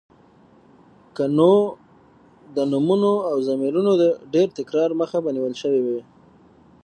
که نو د نومونو او ضميرونو د ډېر تکرار مخه به نيول شوې وې.